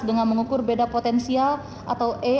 dengan mengukur beda potensial atau e